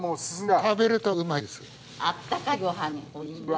食べるとうまいです。